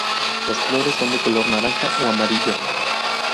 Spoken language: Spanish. Las flores son de color naranja o amarillo.